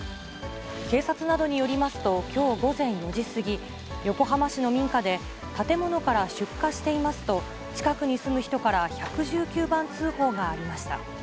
警察などによりますと、きょう午前４時過ぎ、横浜市の民家で建物から出火していますと、近くに住む人から１１９番通報がありました。